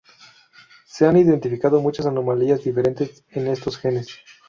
Se han identificado muchas anomalías diferentes en estos genes.